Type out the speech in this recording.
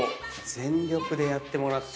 全力でやってもらって。